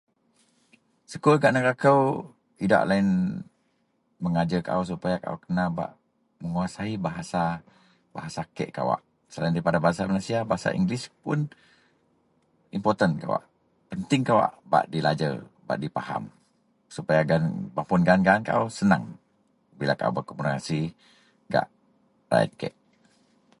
Sekul gak negara kou idak loyen mengajer kaau supaya kaau kena bak menguasai bahasa-bahasa kek kawak, selain daripada bahasa Malaysia, bahasa Inggeris puun impoten kawak penting kawak bak dilajer bak dipahem supaya gaan mapun gaan-gaan kaau seneng bila kaau bak berkomunikasi gak rayet kek.